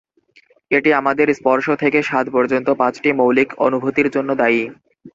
এটি আমাদের স্পর্শ থেকে স্বাদ পর্যন্ত পাঁচটি মৌলিক অনুভূতির জন্য দায়ী।